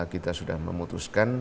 kita sudah memutuskan